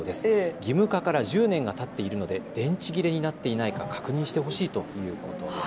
義務化から１０年がたっているので電池切れになっていないか確認してほしいということです。